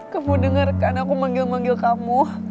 kamu denger kan aku manggil manggil kamu